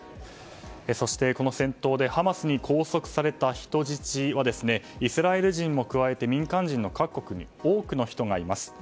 そして、この戦闘でハマスに拘束された人質はイスラエル人を加えて民間人各国で多くの人がいます。